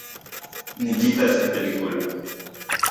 Nikitas se película